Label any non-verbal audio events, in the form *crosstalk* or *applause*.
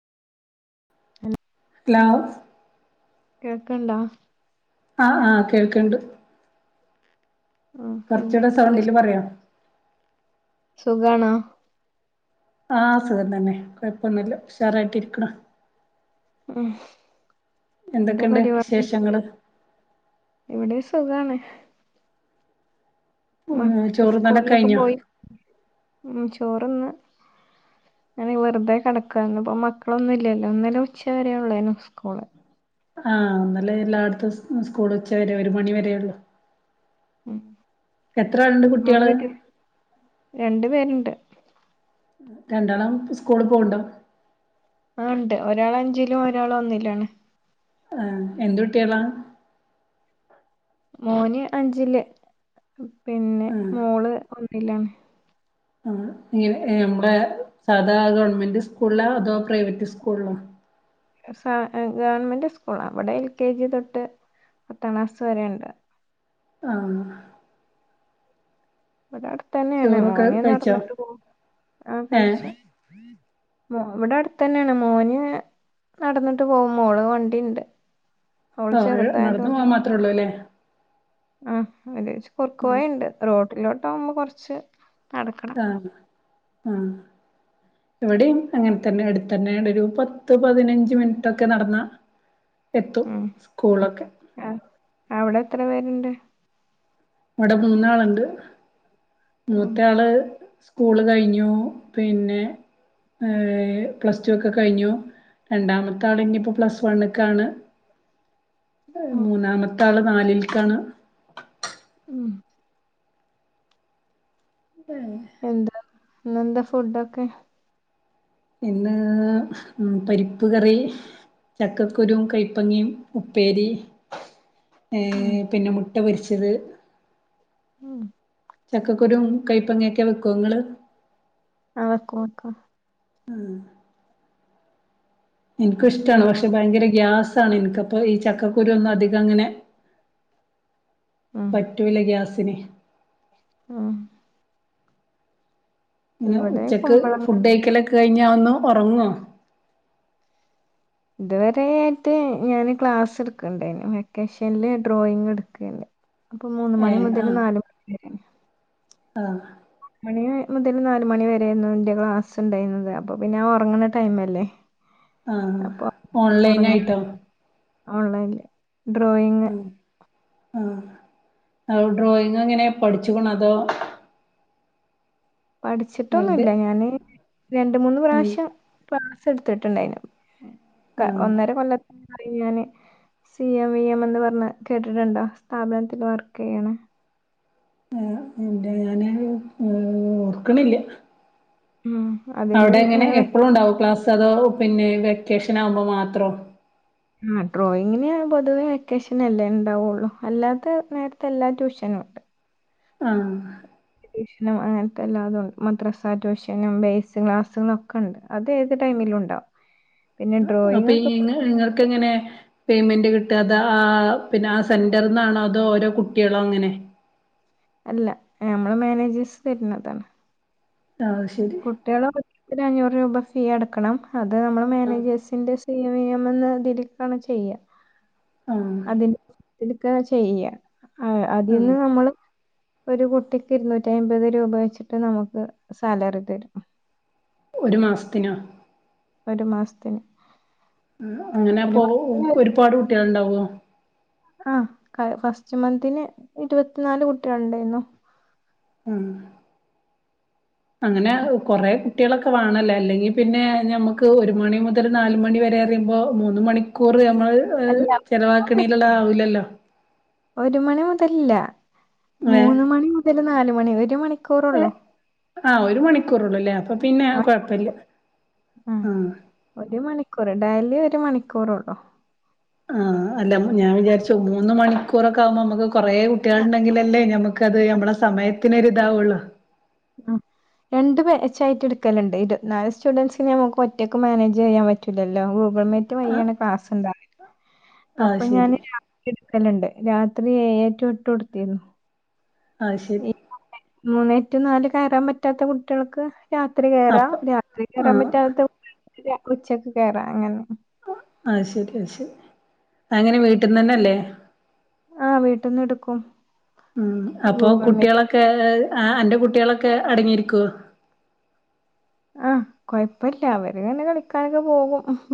Him hello കേക്ക്ണ്ടോ? ആഹ് ആഹ് കേൾക്ക്ണ്ട് ആഹ് കൊറചൂടെ എന്തൊക്കെണ്ട് സൗണ്ടില് പറയോ? സുഖണോ? ആഹ് സുഖം തന്നെ കൊഴപ്പൊന്നുല്ല ഉഷാറായിട്ടിരിക്ക്ണ്. ഉം എന്താ എന്തൊക്കെണ്ട് പരിപാടി? വിശേഷങ്ങള് ഇവിടേം സുഖാണ്. മം ചോറുന്നലൊക്കെ സ്കൂളിലൊക്കെ കഴിഞ്ഞോ പോയി ഉം ചോറ്ന്ന്. ഞാനെ വെറുതെ കടക്കാണ് ഇന്ന്പ്പോ മക്കളൊന്നുല്ലല്ലോ, ഇന്നലെ ഉച്ച വരേയോള്ളയ്നു സ്കൂള്. ആഹ് ഇന്നല്ലേ എല്ലാട്ത്തും സ്കൂള് ഉച്ച വരെ ഒരു മണി വരെയോള്ളു. ഉം എത്ര ആളുണ്ട് കുട്ടികള് *unintelligible* ക്ക് രണ്ട് പേര്ണ്ട് രണ്ടാളും സ്കൂള് പോവ്ണ്ടോ? ആഹ്ണ്ട് ഒരാള് അഞ്ചിലും ഒരാള് ഒന്നിലാണ്. ആഹ് എന്ത്‌ കുട്ട്യാളാ? മോന് അഞ്ചില് പിന്നെ ആഹ് മോള് ഒന്നിലാണ്. ആഹ് ഇഞ് എഹ് നമ്മ്ടെ സാധാ ഗവൺമെന്റ് സ്കൂളിലാ അതോ പ്രൈവറ്റ് സ്കൂളിലോ? സ എഹ് ഗവൺമെന്റ് സ്കൂള്ലാ അവടെ എൽ കെ ജി തൊട്ട് പത്താം ക്ലാസ് വരെണ്ട് ആഹ് ഇവടെ അട്ത്ത് തന്നെയാണ് ചോറൊക്കെ മോന് കഴിച്ചോ നടന്ന്ട്ട് പോവും. ആഹ് ഏഹ് കഴിച്ചു. മോ ഇവ്ടെ അട്ത്തെന്നെ ആണ് മോന് നടന്ന്ട്ട് പോവും. മോള് വണ്ടിണ്ട് ഓള് ഓഹ് നടന്നു ചെറുതായതൊണ്ട് പോവാൻ മാത്രേ ആഹ് ഉള്ളൂ ല്ലേ ആഹ് ഒര് കുറുക്ക് വഴിണ്ട് റോട്ടിലോട്ടോവുമ്പോ കൊർച്ച് നടക്കണം. ആഹ് ആഹ് ഇവടിം അങ്ങൻതന്നെ അട്ത്തന്നെ ആയോണ്ടോരു പത്ത് പതിനഞ്ച് മിൻറ്റൊക്കെ നടന്നാ എത്തും സ്കൂളൊക്കെ ആഹ്. അവടെ എത്ര പേര്ണ്ട്? ഇവടെ മൂന്നാള്ണ്ട് ഉം മൂത്തായാള് സ്കൂള് കഴിഞ്ഞു, പിന്നെ എഹ് പ്ലസ് ടു ഒക്കെ കഴിഞ്ഞു. രണ്ടാമത്തെ ആള് ഇഞ്ഞിപ്പോ പ്ലസ് വണ്ണ്ക്കാണ്. ഉം മൂന്നാമത്തെ ആള് നാലിൽക്കാണ്. ഉം ഏഹ് എന്താ ഇന്നെന്താ ഫുഡൊക്കെ? ഇന്ന് മം പരിപ്പ് കറി ചക്കക്കുരും കൈപ്പങ്ങയും ഉപ്പേരി ഉം ഏഹ് പിന്നെ മുട്ട പൊരിച്ചത് ഉം ചക്കക്കുരും കൈപ്പങ്ങൊക്കെ വെക്കോ നിങ്ങള്. ആ വെക്കും വെക്കും. ഉം. എനിക്കിഷ്ടമാണ്. ഞങ്ങ പക്ഷെ ഭയങ്കര ഗ്യാസാണ് ഇനിക്ക്. അപ്പം ഈ ചക്കക്കുരു ഒന്നും അധികം അങ്ങനെ ഉം പറ്റൂല്ല ഗ്യാസിന്. ആ. ഇങ്ങനെ ഇവിടെ ഉച്ചക്ക് കുമ്പളങ്ങ ഫുഡയ്ക്കലൊക്കെ കഴിഞ്ഞാൽ ഒന്ന് ഉറങ്ങോ? ഇതുവരെ ആയിട്ട് ഞാന് ക്ലാസ് എടുക്കണ്ടായിരുന്നു, വെക്കേഷൻല് ഡ്രോയിങ്ങ് എടുക്കണ്ട്. അപ്പൊ മൂന്ന് ഏ. മണി മുതൽ ആഹ്. നാല് മണി വരെ ആഹ്. മണി മുതൽ നാല് മണി വരെയായിരുന്നു എന്റെ ക്ലാസ് ഉണ്ടായിരുന്നത് അപ്പൊ പിന്നെ ഉറങ്ങ്ണ ടൈമല്ലേ. ആഹ് അപ്പൊ ഓറങ്ങ, ഓൺലൈനായിട്ടോ ഓൺലൈനില് ഡ്രോയി ആ ആ അ ഡ്രോയിങ് എങ്ങനെ പഠിച്ച്ക്ണോ അതോ വെറുതെ പഠിച്ചിട്ടൊന്നുമില്ല ഞാന്. രണ്ട് മൂന്ന് പ്രാവശ്യം ക്ലാസ് എടുത്തിട്ടുണ്ടായിര്ന്നു. ആഹ് ഒന്നര കൊല്ലത്ത ഞാന് സി എം വി എം എന്ന് പറഞ്ഞെ കേട്ടിട്ടുണ്ടോ സ്ഥാപനത്തിൽ വർക്ക് ചെയ്യണെ ആ പിന്നെ ഞാനത് ഓർക്ക്ണില്ല. ഉം അത അവിടെ അങ്ങനെ എപ്പളും ഉണ്ടാവോ ക്ലാസ്സ് അതോ പിന്നെ വെക്കേഷൻ ആകുമ്പോ മാത്രം. ആ ഡ്രോയിങ്ങിന് പൊതുവെ വെക്കേഷനല്ലേ ഉണ്ടാവുള്ളു. അല്ലാത്ത നേരത്ത് എല്ലാ ട്യൂഷനും ഉണ്ട്. ആഹ്. ട്യൂഷനും അങ്ങനത്തെ എല്ലാതും മദ്രസാ ട്യൂഷനും, ബേസ് ക്ലാസ്സും, ഒക്കെ ഉണ്ട്. അത് ഏത് ടൈമിലും ഉണ്ടാവും. പിന്നെ ഡ്രോയിങ് അപ്പൊ ഒക്കെ ഈ നിങ്ങക്ക് പൊതുവായിട്ട് എങ്ങനെ. പേയ്മെന്റ് കിട്ട, അത് ആ പിന്നെ ആ സെന്ററിൽ നിന്നാണോ, അതോ ഓരോ കുട്ടികള് അങ്ങനെ. അല്ല നമ്മള് മാനേജേഴ്സ് തരുന്നതാണ്. ആഹ് ശരി കുട്ടികൾ ഓരോരുത്തരും അഞ്ഞൂറ് രൂപ ഫീ അടുക്കണം അത് നമ്മള് ആഹ് മാനേജ് സിന്റെ സി എം ഇ എമ്മ് ന്ന് ഇതിൽക്കാണ് ചെയ്യ. ആഹ്. അതിന്റെടുക്ക ചെയ്യുക. ആഹ് അതീന്ന് നമ്മള് ഒരു കുട്ടിക്ക് ഇരുന്നൂറ്റി അമ്പത് രൂപ വെച്ചിട്ട് നമുക്ക് സാലറി തരും. ഒരു മാസത്തിനോ? ഒരു മാസത്തിന്. ഉം ഒരു അങ്ങനെപ്പൊ മാസത്തിന് ഒരുപാട് കുട്ടികൾ ഉണ്ടാവോ? ആ ഫസ്റ്റ് മന്തിന് ഇരുപത്തിനാല് കുട്ടികൾ ഉണ്ടായിരുന്നു. ആ അങ്ങനെ കൊറെ കു കുട്ടികളൊക്കെ വേണമല്ലോ. അല്ലെങ്കിൽ പിന്നെ നമുക്ക് ഒരു മണി മുതൽ നാല് മണി വരെ പറിയുമ്പോ മൂന്ന് മണി കൂറ് നമ്മള് അല്ല ചെലവാക്ക്ണേല്ള്ളതാവൂലല്ലോ. ഒരു മണി മുതലില്ല. മൂന്ന് മണി മുതൽ നാല് മണി. ഒരു മണിക്കൂറൊള്ളോ ആ ഒരു മണിക്കൂറള്ളുല്ലേ. അപ്പൊ പിന്നെ അവ കുഴപ്പല്ല. ആ ഒരു മണിക്കൂറ്. ഡെയിലി ഒരു മണിക്കൂറൊള്ളു. ആ അല്ല ഞാൻ വിചാരിച്ചു മൂന്ന് മണിക്കൂറൊക്കെ ആവുമ്പോ നമുക്ക് കുറേ കുട്ടികൾ ആഹ്. ഉണ്ടെങ്കിലല്ലേ, ഞമ്മക്കത് നമ്മളെ സമയത്തിനൊരിതാവുള്ളു. ആഹ്. രണ്ട് ബാച്ച് ആയിട്ട് എടുക്കലുണ്ട്. ഇരുത്തി നാല് സ്റ്റുഡൻറ്സിനെ നമുക്ക് ഒറ്റക്ക് മാനേജ് ചെയ്യാൻ പറ്റൂല്ലല്ലോ? ഗൂഗിൾ മീ റ്റ് വയ്യാണ് ക്ലാസ്ണ്ടാവ് ല് ആഹ് അപ്പൊ ശരി ഞാന് രാത്രി ഇട്ക്കല്ണ്ട് രാത്രി ഏയേ ടു ഏട്ട് ഇട്ത്തിര്ന്നു അഹ്ശരി മൂന്നേ റ്റു നാല് കയറാൻ പറ്റാത്ത കുട്ട്യാൾക്ക് രാത്രി കേറാം അപ്പൊ രാത്രി കേറാൻ ആഹ് പറ്റാത്ത കുട്ട്യാക്ക് ഉച്ചക്ക് കേറാ അങ്ങനെ അഹ്ശരി അഹ്ശരി അഎങ്ങനെ വീട്ട്ന്നന്നെ അല്ലേ ആഹ് വീട്ടിന്ന് ഇട്ക്കും ഉം അപ്പൊ കുട്ട്യാളൊക്കെ ആഹ് അന്റെ കുട്ട്യാളൊക്കെ അടങ്ങിയിരിക്കോ ആഹ് കൊഴപ്പല്ല അവര് ഇങ്ങനെ കളിക്കാനൊക്കെ പോവും